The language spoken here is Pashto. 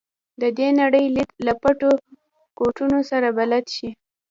د دې نړۍ لید له پټو ګوټونو سره بلد شي.